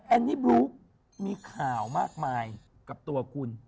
อันนี้บลูฟมีข่าวมากมายกับตัวคุณ